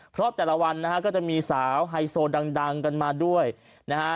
เพราะแต่ละวันนะฮะก็จะมีสาวไฮโซดังกันมาด้วยนะฮะ